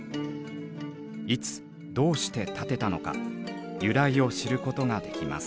いつどうして建てたのか由来を知ることができます。